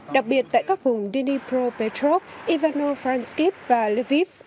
đặc biệt tại các vùng dnipropetrovsk ivano frankivsk và lviv